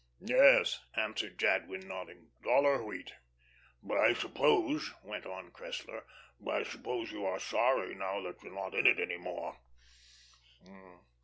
"Yes," answered Jadwin, nodding, "'dollar wheat.'" "I suppose," went on Cressler, "I suppose you are sorry, now that you're not in it any more."